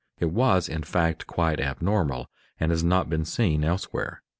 It was in fact quite abnormal, and has not been seen elsewhere.